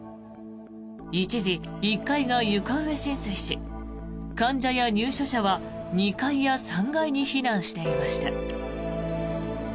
一時、１階が床上浸水し患者や入所者は２階や３階に避難していました。